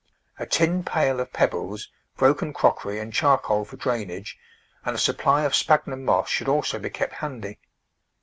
A tin pail of pebbles, broken crockery and charcoal for drainage, and a supply of sphagnum moss should also be kept handy.